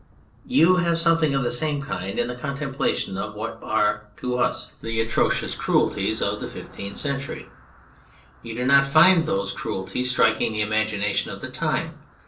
You have something of the same kind in the con templation of what are to us the atrocious cruelties 73 On Anything of the Fifteenth Century. You do not find those cruelties striking the imagination of the time.